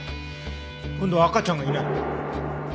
今度は赤ちゃんがいない。